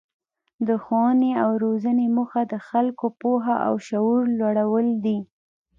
د ښوونې او روزنې موخه د خلکو پوهه او شعور لوړول دي.